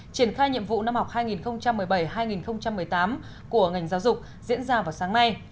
triển khai nhiệm vụ năm học hai nghìn một mươi bảy hai nghìn một mươi tám của ngành giáo dục diễn ra vào sáng nay